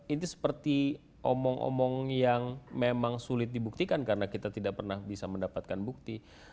ini seperti omong omong yang memang sulit dibuktikan karena kita tidak pernah bisa mendapatkan bukti